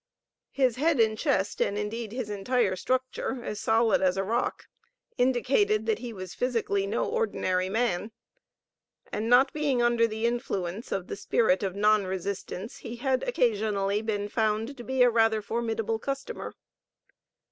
His head and chest, and indeed his entire structure, as solid as a rock, indicated that he was physically no ordinary man; and not being under the influence of the spirit of "non resistance," he had occasionally been found to be a rather formidable customer.